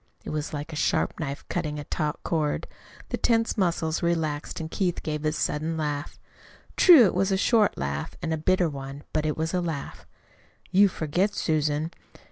It was like a sharp knife cutting a taut cord. The tense muscles relaxed and Keith gave a sudden laugh. True, it was a short laugh, and a bitter one; but it was a laugh. "You forget, Susan.